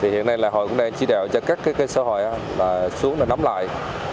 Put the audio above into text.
hiện nay hội cũng đang chỉ đạo cho các cây xã hội xuống và nắm lại